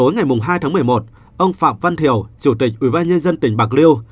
ngày hai tháng một mươi một ông phạm văn thiểu chủ tịch ủy ban nhân dân tỉnh bạc liêu